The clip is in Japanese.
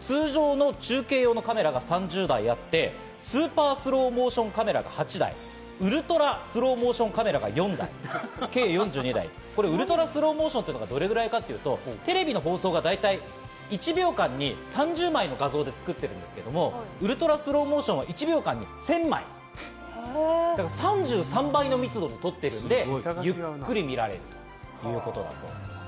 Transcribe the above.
通常の中継用のカメラが３０台あって、スーパースローモーションカメラが８台、ウルトラスローモーションカメラが４台、計４２台、ウルトラスローモーションがどれくらいかというと、テレビの放送が大体１秒間に３０枚の画像で作ってるんですけど、ウルトラスローモーションは１秒間に１０００枚、３３倍の密度で撮っているので、ゆっくり見られると言うことなんです。